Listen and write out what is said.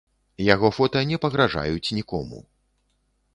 Яго фота не пагражаюць нікому.